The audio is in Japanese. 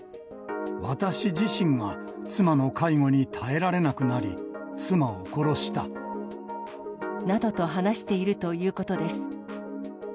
私自身が妻の介護に耐えられなくなり、妻を殺した。などと話しているということです。